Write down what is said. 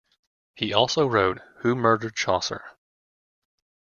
He also wrote Who Murdered Chaucer?